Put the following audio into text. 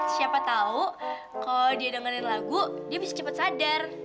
siapa tahu kalau dia dengerin lagu dia bisa cepat sadar